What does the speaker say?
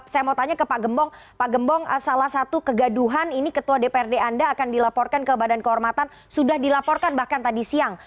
saya mau tanya ke pak gembong pak gembong salah satu kegaduhan ini ketua dprd anda akan dilaporkan ke badan kehormatan sudah dilaporkan bahkan tadi siang